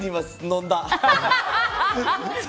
飲んだ。